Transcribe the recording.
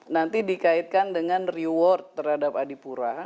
nanti dikaitkan dengan reward terhadap adipura